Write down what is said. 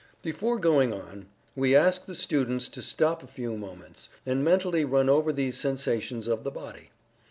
Before going on, we ask the students to stop a few moments, and mentally run over these sensations of the body.